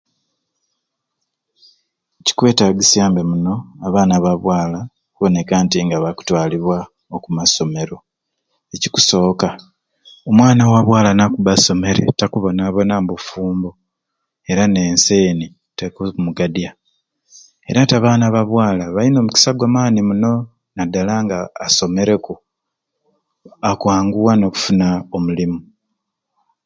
Kikwetagisya mbe muno abaana ba bwaala okuboneka nti nga bakutwalibwa oku masomero. Ekikusooka omwana wa bwaala nabba asomereku takubonaabona mu bufumbo era n'ensi eni tekumuzi gadya. Era te abaana ba bwaala balina omukisa gwa maani muno naddala nga asomereku akwanguwa n'okufuna omulimu .